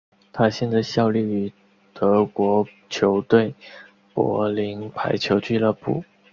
他现在效力于德国球队柏林排球俱乐部。